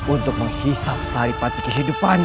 untuk menghisap saripati kehidupannya